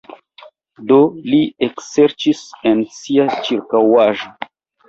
Do li ekserĉis en sia ĉirkaŭaĵo.